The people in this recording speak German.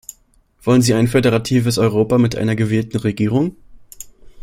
Wollen Sie ein föderatives Europa mit einer gewählten Regierung?